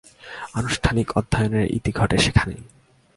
আনুষ্ঠানিক অধ্যয়নেরও ইতি ঘটে সেখানেই।